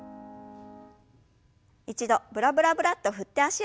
一度ブラブラブラッと振って脚をほぐしましょう。